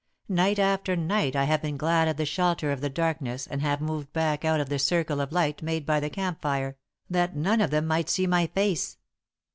Night after night I have been glad of the shelter of the darkness and have moved back out of the circle of light made by the camp fire, that none of them might see my face.